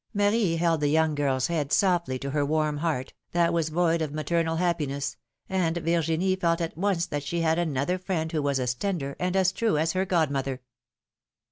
Marie held the young girl's head softly to her warm heart, that was void of maternal happiness, and Virginie felt at once that she had another friend who was as tender and as true as her godmother.